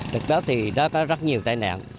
được đó thì nó có rất nhiều tai nạn